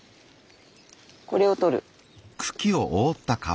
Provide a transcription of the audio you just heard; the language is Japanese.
これを取る。